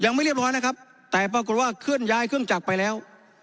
ยังไม่เรียบร้อยนะครับแต่ปรากฏว่าเคลื่อนย้ายเครื่องจักรไปแล้ว